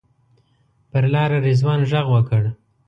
پر لاره رضوان غږ وکړ.